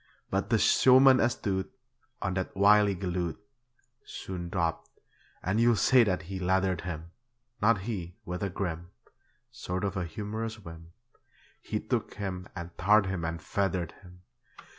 But the showman astute On that wily galoot Soon dropped, and you'll say that he leathered him Not he; with a grim Sort of humorous whim, He took him and tarred him and feathered him.